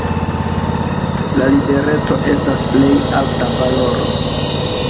La libereco estas plej alta valoro.